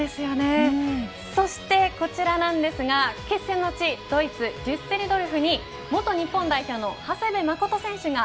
そして、こちらなんですが決戦の地ドイツ、デュッセルドルフに元日本代表の長谷部誠選手が